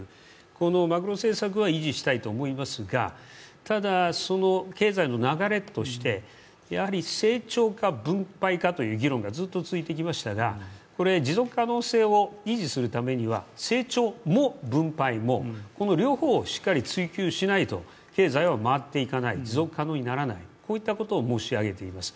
このマクロ政策は維持したいと思いますがその経済の流れとしてやはり成長か分配かという議論がずっと続いてきましたが持続可能性を維持するためには、成長も分配も、両方をしっかり追求しないと経済は回っていかない、持続可能にならない、こういったことを申し上げています。